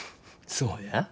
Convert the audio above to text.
そうや。